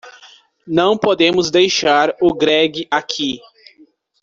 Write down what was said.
Não podemos deixar o Greg aqui.